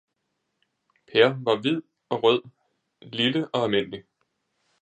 Peer var hvid og rød, lille og almindelig.